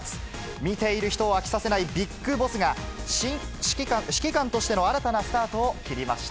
見ている人を飽きさせないビッグボスが、指揮官としての新たなスタートを切りました。